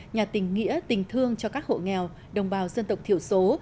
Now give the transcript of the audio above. nhà tình nghĩa tình thương cho các hộ nghèo đồng bào dân tộc thiểu số